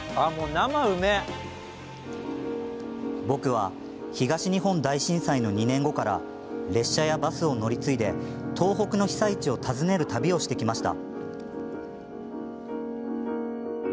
僕は、東日本大震災の２年後から列車やバスを乗り継いで東北の被災地を訪ねる旅をしてきました。